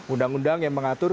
undang undang yang mengatur